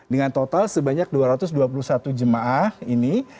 dengan total sebanyak dua ratus dua puluh satu jemaah ini